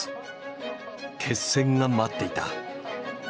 決戦が待っていた。